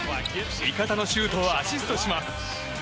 味方のシュートをアシストします。